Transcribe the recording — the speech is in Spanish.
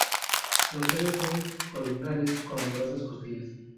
Los tallos son columnares con numerosas costillas.